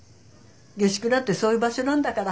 下宿なんてそういう場所なんだから。